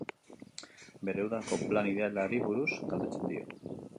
Bere udako plan idealari buruz galdetzen dio.